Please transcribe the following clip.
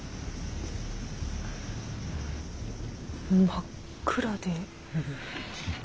真っ暗で。